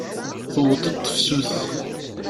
Tewweḍ-d tefsut.